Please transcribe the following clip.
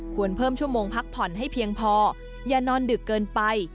ควรเพิ่มชั่วโมงพักผ่อนให้เพียงพออย่านอนดึกเกินไป